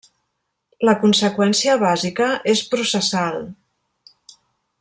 La conseqüència bàsica és processal.